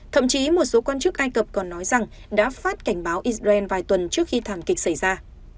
thậm chí một số quan chức ai cập còn nói rằng đã phát cảnh báo israel vài tuần trước khi thảm kịch xảy ra